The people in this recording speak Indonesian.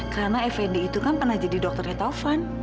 karena effendi itu kan pernah jadi dokternya taufan